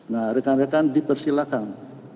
nah rekan rekan dipersilakan